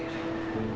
aku akan menikahi riri